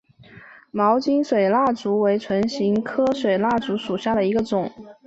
毛茎水蜡烛为唇形科水蜡烛属下的一个种。